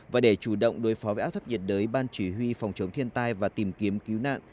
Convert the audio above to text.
và để chủ động đối phó với áp thấp nhiệt đới ban chỉ huy phòng chống thiên tai và tìm kiếm cứu nạn